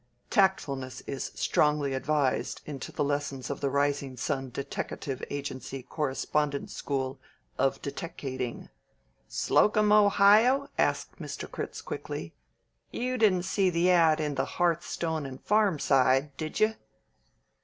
"Tactfulness is strongly advised into the lessons of the Rising Sun Deteckative Agency Correspondence School of Deteckating " "Slocum, Ohio?" asked Mr. Critz quickly. "You didn't see the ad. in the 'Hearthstone and Farmside,' did you?"